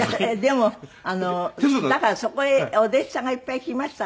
でもだからそこへお弟子さんがいっぱい来ましたから。